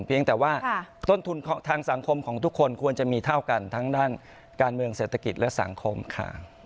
เพียงแต่ว่าต้นทุนทางสังคมของทุกคนควรจะมีเท่ากันทั้งด้านการเมืองเศรษฐกิจและสังคมค่ะ